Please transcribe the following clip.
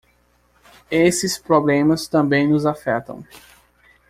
Esses problemas também nos afetam.